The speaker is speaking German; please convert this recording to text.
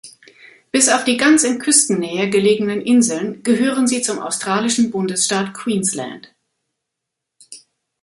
Bis auf die ganz in Küstennähe gelegenen Inseln gehören sie zum australischen Bundesstaat Queensland.